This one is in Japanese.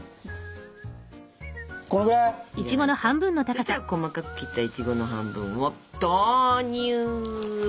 そしたら細かく切ったイチゴの半分を投入ぶ！